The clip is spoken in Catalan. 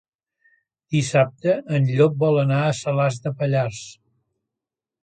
Dissabte en Llop vol anar a Salàs de Pallars.